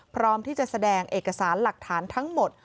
พร้อมที่จะแสดงเอกสารหลักฐานทั้งหมด